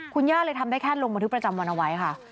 คุณย่าเลยทำได้แค่ลงบันทึกประจำวันเอาไว้ค่ะ